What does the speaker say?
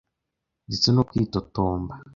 ndetse no kwitotomba.